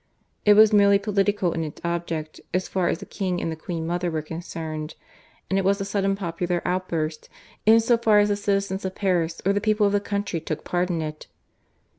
It was merely political in its object as far as the king and the queen mother were concerned, and it was a sudden popular outburst in so far as the citizens of Paris or the people of the country took part in it.